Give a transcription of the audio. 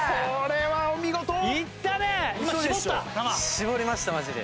絞りましたマジで。